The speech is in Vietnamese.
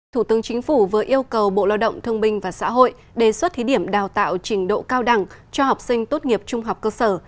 thủ tướng chính phủ vừa yêu cầu bộ lao động thương binh và xã hội đề xuất thí điểm đào tạo trình độ cao đẳng cho học sinh tốt nghiệp trung học cơ sở